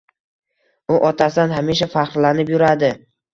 U otasidan hamisha faxrlanib yuradi